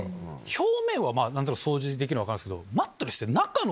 表面は何となく掃除できるの分かるんすけど。